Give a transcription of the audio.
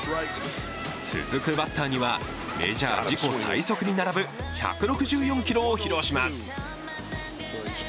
続くバッターにはメジャー自己最速に並ぶ１６４キロを披露します。